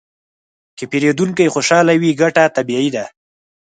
که پیرودونکی خوشحاله وي، ګټه طبیعي ده.